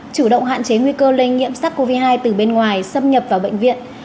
chủ động hạn chế nguy cơ lây nhiễm sắc covid hai từ bên ngoài xâm nhập vào bệnh viện